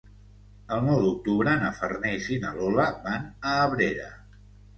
El nou d'octubre na Farners i na Lola van a Abrera.